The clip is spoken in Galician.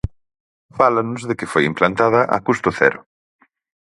Fálanos de que foi implantada a custo cero.